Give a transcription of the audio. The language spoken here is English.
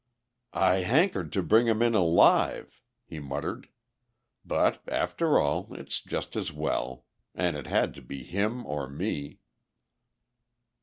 "I hankered to bring him in alive," he muttered. "But, after all it's just as well. And it had to be him or me."